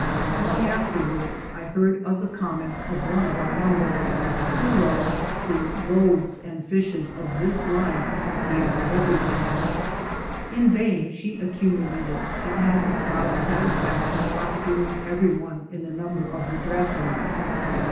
Long afterwards I heard of the comments of one of our num ber, who loved the loaves and fishes of this life beyond everything. In vain she accumulated and had the proud satisfaction of out doing every one in the number of her dresses.